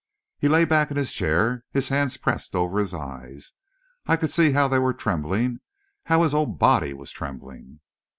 He lay back in his chair, his hands pressed over his eyes. I could see how they were trembling how his whole body was trembling.